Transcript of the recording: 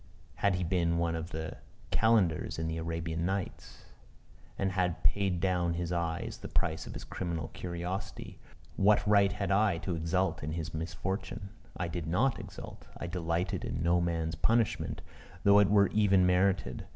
Had he been one of the Calendars in the Arabian Nights, and had paid down his eye as the price of his criminal curiosity, what right had I to exult in his misfortune? I did not exult: I delighted in no man's punishment, though it were even merited.